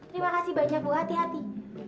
terima kasih banyak bu hati hati